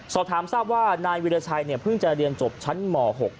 สอบถามทราบว่านายวิราชัยเพิ่งจะเรียนจบชั้นหมอ๖